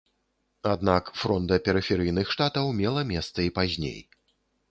Аднак фронда перыферыйных штатаў мела месца і пазней.